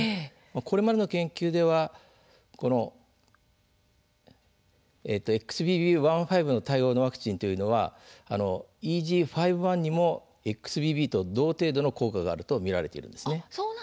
これまでの研究ではＸＢＢ．１．５対応のワクチンというのはＥＧ．５．１にもＸＢＢと同程度の効果があると見られているんです。